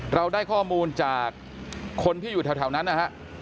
เราได้ข้อมูลจากคนที่อยู่แถวนั้นนะฮะ